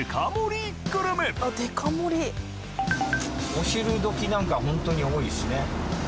お昼時なんかホントに多いしね。